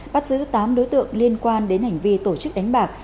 bắt giữ tám đối tượng liên quan đến hành vi tổ chức đánh bạc